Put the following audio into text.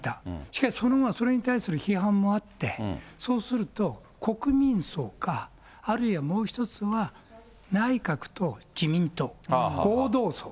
しかしそれに対する批判もあって、そうすると国民葬か、あるいはもう一つは内閣と自民党、合同葬。